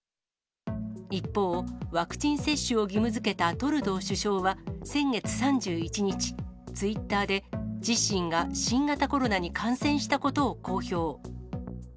一方、ワクチン接種を義務づけたトルドー首相は先月３１日、ツイッターで自身が新型コロナに感染したことを公表。